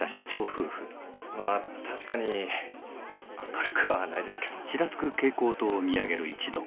まあ確かに明るくはないですけど。